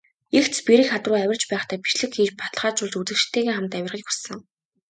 Эгц бэрх хад руу авирч байхдаа бичлэг хийж, баталгаажуулж, үзэгчидтэйгээ хамт авирахыг хүссэн.